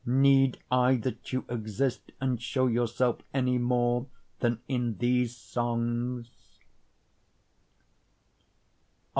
Need I that you exist and show yourself any more than in these songs.